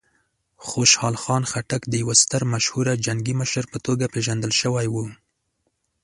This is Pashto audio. خوشحال خان خټک د یوه ستر مشهوره جنګي مشر په توګه پېژندل شوی و.